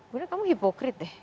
bunda kamu hipokrit deh